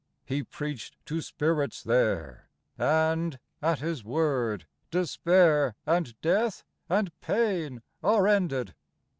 He preached to spirits there • And, at His word, despair And death and pain are ended.